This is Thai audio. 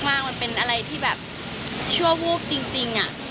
มันเป็นอะไรที่แบบชั่ววูบจริง